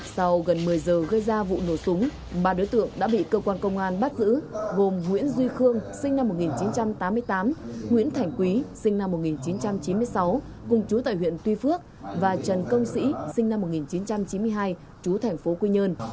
sau gần một mươi giờ gây ra vụ nổ súng ba đối tượng đã bị cơ quan công an bắt giữ gồm nguyễn duy khương sinh năm một nghìn chín trăm tám mươi tám nguyễn thành quý sinh năm một nghìn chín trăm chín mươi sáu cùng chú tại huyện tuy phước và trần công sĩ sinh năm một nghìn chín trăm chín mươi hai chú thành phố quy nhơn